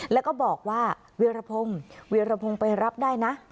แล้วก็บอกว่าเวียรพงศ์เวียรพงศ์ไปรับได้นะ